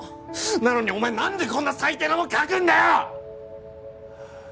なのにお前何でこんな最低なもん書くんだよ！